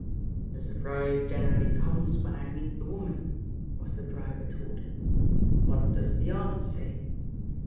"The surprise generally comes when I meet the woman," was the dry retort. "What does the Aunt say?"